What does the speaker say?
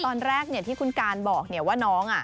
ตอนแรกที่คุณการบอกว่าน้อง